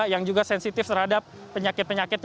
yang juga sensitif terhadap penyakit penyakit